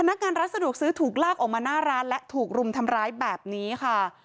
นักงานร้านสะดวกซื้อถูกลากออกมาหน้าร้านและถูกรุมทำร้ายแบบนี้ค่ะ